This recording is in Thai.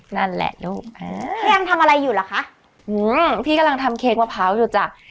นั่นแหละลูกพี่ยังทำอะไรอยู่ล่ะคะอืมพี่กำลังทำเค้กมะพร้าวอยู่จ้ะ